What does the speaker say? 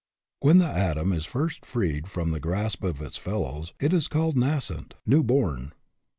When the atom is first freed from the grasp of its fellows, it is called nascent " new born."